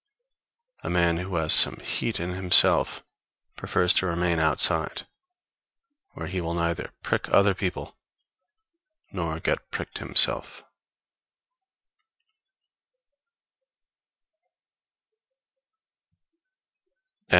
A man who has some heat in himself prefers to remain outside, where he will neither prick other people nor get pricked himself.